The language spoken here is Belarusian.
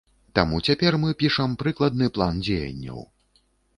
Таму цяпер мы пішам прыкладны план дзеянняў.